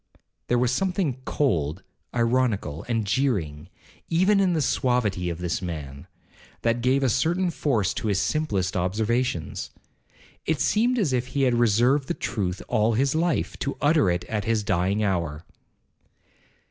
'—There was something cold, ironical, and jeering, even in the suavity of this man, that gave a certain force to his simplest observations. It seemed as if he had reserved the truth all his life, to utter it at his dying hour.